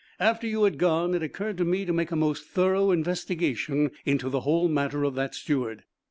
After you had gone it occurred to me to make a most thorough investigation into the whole matter of that steward.